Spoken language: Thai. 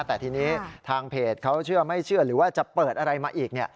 แต่ทีนี้ทางเพจเขาเชื่อไม่เชื่อหรือว่าจะเปิดอะไรมาอีก